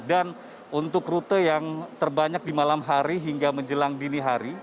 dan untuk rute yang terbanyak di malam hari hingga menjelang dini hari